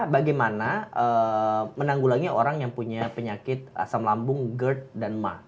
bagaimana menanggulangi orang yang punya penyakit asam lambung gerd dan ma